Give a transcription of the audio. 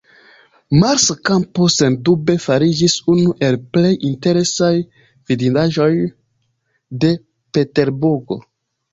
Marsa Kampo, sendube, fariĝis unu el plej interesaj vidindaĵoj de Peterburgo.